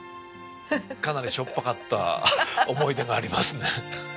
かなりしょっぱかった思い出がありますね。